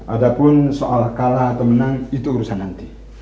ada pun soal kalah atau menang itu urusan nanti